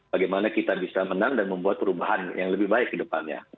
bagaimana kita bisa menang dan membuat perubahan yang lebih baik ke depannya